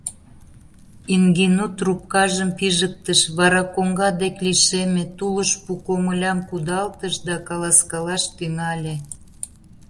Ингину трупкажым пижыктыш, вара коҥга дек лишеме, тулыш пу комылям кудалтыш да каласкалаш тӱҥале.